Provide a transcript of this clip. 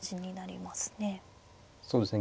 そうですね。